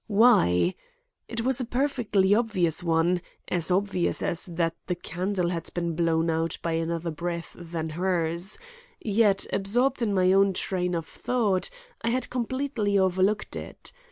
Why? It was a perfectly obvious one, as obvious as that the candle had been blown out by another breath than hers; yet, absorbed in my own train of thought, I had completely overlooked it.